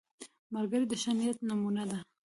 ملګری د ښه نیت نمونه ده